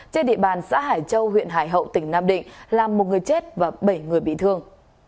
trên địa bàn xã hải châu huyện hải hậu tỉnh nam định làm một người chết và bảy người bị thương